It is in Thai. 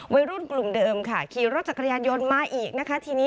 วัยรุ่นกลุ่มเดิมค่ะขี่รถจักรยานยนต์มาอีกนะคะทีนี้